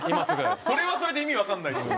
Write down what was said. それはそれで意味分かんないっすよ。